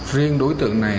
riêng đối tượng này